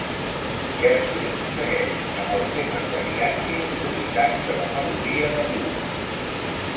Gershwin segueix amb els temes variats i improvisats de la melodia de blues.